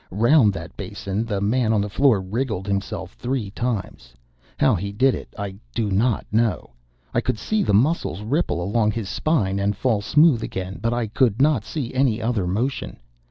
Round that basin the man on the floor wriggled himself three times. How he did it I do not know. I could see the muscles ripple along his spine and fall smooth again; but I could not see any other motion.